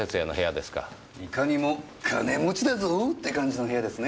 いかにも「金持ちだぞ！」って感じの部屋ですね。